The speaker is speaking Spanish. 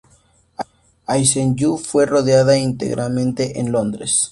I See You fue rodada íntegramente en Londres.